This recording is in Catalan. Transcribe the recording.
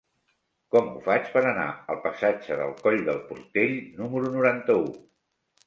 Com ho faig per anar al passatge del Coll del Portell número noranta-u?